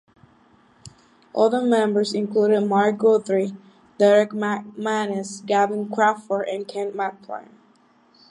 Other members included Mark Guthrie, Derek McManus, Gavin Crawford and Ken McAlpine.